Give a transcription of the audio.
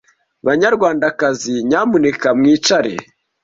Banyarwandakazi, nyamuneka mwicare.